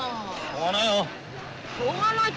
しょうがないよ。